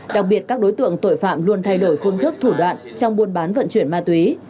đặc biệt các đối tượng tội phạm luôn thay đổi phương thức thủ đoạn trong buôn bán vận chuyển ma túy